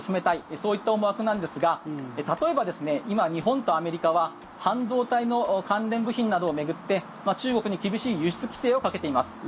そういった思惑なんですが例えば今、日本とアメリカは半導体の関連部品などを巡って中国に厳しい輸出規制をかけています。